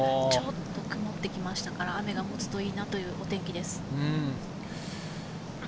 ちょっと曇ってきましたから、雨がもつといいかな、というお天気です。